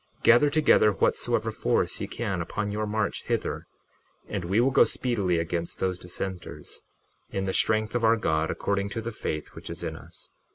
61:17 Gather together whatsoever force ye can upon your march hither, and we will go speedily against those dissenters, in the strength of our God according to the faith which is in us.